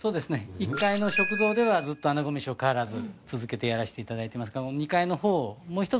１階の食堂ではずっとあなごめしを変わらず続けてやらせていただいてますが２階の方もう一つ